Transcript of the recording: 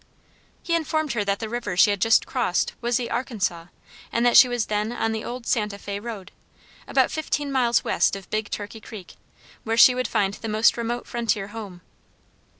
He informed her that the river she had just crossed was the Arkansas, and that she was then on the old Santa Fé road, about fifteen miles west of Big Turkey Creek, where she would find the most remote frontier house.